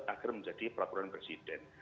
agar menjadi peraturan presiden